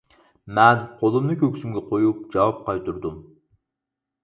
مەن قولۇمنى كۆكسۈمگە قويۇپ جاۋاب قايتۇردۇم.